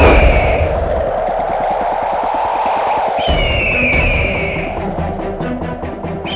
aku harus mengerahkan tenaga dalamku